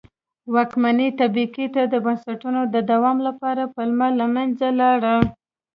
واکمنې طبقې ته د بنسټونو د دوام لپاره پلمه له منځه لاړه.